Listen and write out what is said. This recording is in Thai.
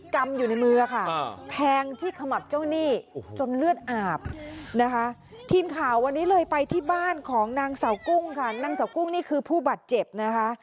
คือผู้บัดเจ็บนะคะ